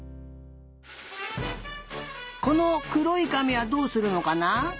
このくろいかみはどうするのかな？